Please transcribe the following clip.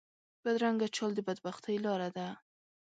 بدرنګه چال د بد بختۍ لاره ده